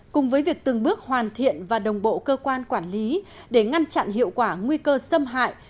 cùng với việc từng bước hoàn thiện và đồng bộ cơ quan quản lý để ngăn chặn hiệu quả nguy cơ xâm hại